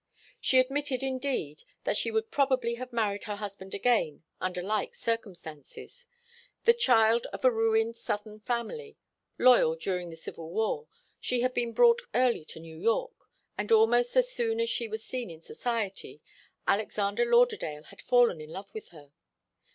She admitted, indeed, that she would probably have married her husband again, under like circumstances. The child of a ruined Southern family, loyal during the Civil War, she had been brought early to New York, and almost as soon as she was seen in society, Alexander Lauderdale had fallen in love with her.